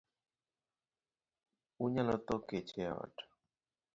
Unyalo tho kech e ot.